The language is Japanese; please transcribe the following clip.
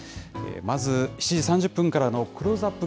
まず、７時３０分からのクローズアップ